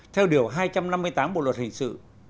theo điều hai trăm năm mươi tám bộ luật hình sự